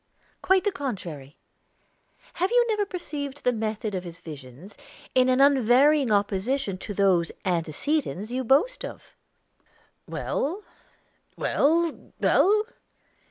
"Quite the contrary. Have you never perceived the method of his visions in an unvarying opposition to those antecedents you boast of?" "Well, well, well?"